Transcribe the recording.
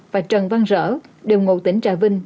và trần văn rỡ đều ngộ tỉnh trà vinh